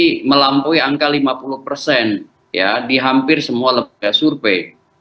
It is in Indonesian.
ini melampaui angka lima puluh persen ya di hampir semua lembaga survei